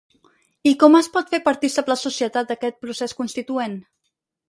I com es pot fer partícip la societat d’aquest procés constituent?